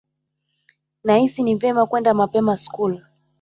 Nahisi ni vyema kwenda mapema Skuli.